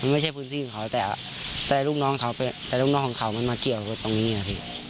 ไม่ใช่พื้นที่เขาแต่ลูกน้องของเขามันมาเกลี่ยวแบบนี้เนี่ย